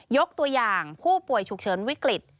ยกตัวอย่างผู้ป่วยฉุกเฉินวิกฤต